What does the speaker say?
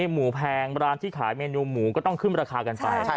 หมูแพงร้านที่ขายเมนูหมูก็ต้องขึ้นราคากันไป